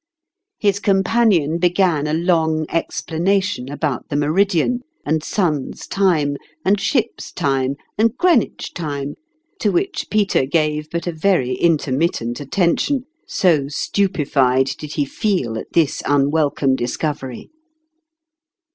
" His companion began a long explanation about the meridian, and sun's time, and ship's time, and Greenwich time, to which Peter gave but a very intermittent attention, so stu pefied did he feel at this unwelcome discovery.